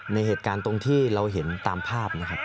ในเหตุการณ์ตรงที่เราเห็นตามภาพนะครับ